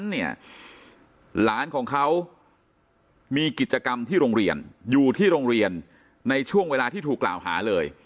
หลานของเขามีกิจกรรมที่โรงเรียนอยู่ที่โรงเรียนในช่วงเวลาที่ถูกกล่าวหาเลย